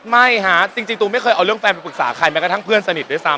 ไม่ฮะจริงตูไม่เคยเอาเรื่องแฟนไปปรึกษาใครแม้กระทั่งเพื่อนสนิทด้วยซ้ำ